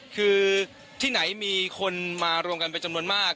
คือที่ไหนมีคนมารวมกันเป็นจำนวนมาก